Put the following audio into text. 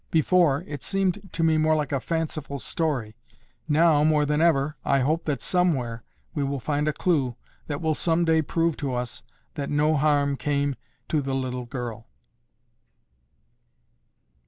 Before, it seemed to me more like a fanciful story. Now, more than ever, I hope that somewhere we will find a clue that will someday prove to us that no harm came to the little girl."